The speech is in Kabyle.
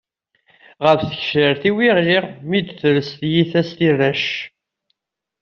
Ɣef tgecrar-iw i ɣliɣ, mi d-tres tyita s tirac.